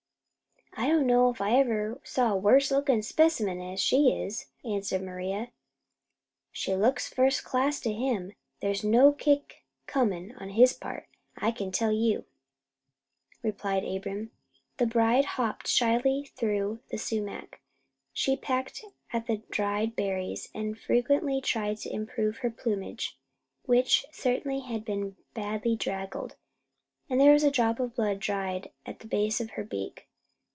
"I don't know as I ever saw a worse lookin' specimen 'an she is," answered Maria. "She looks first class to him. There's no kick comin' on his part, I can tell you," replied Abram. The bride hopped shyly through the sumac. She pecked at the dried berries, and frequently tried to improve her plumage, which certainly had been badly draggled; and there was a drop of blood dried at the base of her beak.